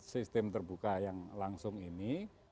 sistem terbuka yang langsung ini